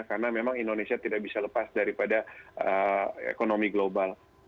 karena memang indonesia tidak bisa lepas daripada ekonomi global